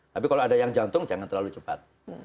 tapi kalau ada yang jantung jangan terlalu cepat